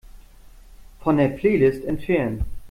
Von der Playlist entfernen.